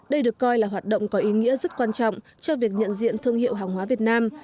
đây được coi là hoạt động có ý nghĩa rất quan trọng cho việc nhận diện thương hiệu hàng hóa việt nam